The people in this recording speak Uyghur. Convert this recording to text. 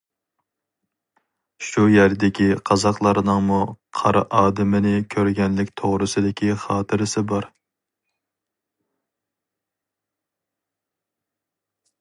شۇ يەردىكى قازاقلارنىڭمۇ قار ئادىمىنى كۆرگەنلىك توغرىسىدىكى خاتىرىسى بار.